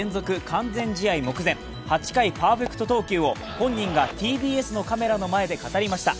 完全試合目前８回パーフェクト投球を本人がＴＢＳのカメラの前で語りました。